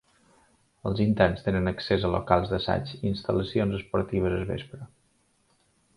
Els interns tenen accés a locals d'assaig i instal·lacions esportives al vespre.